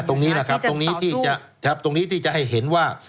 ตรงนี้นะครับตรงนี้ที่จะให้เห็นว่า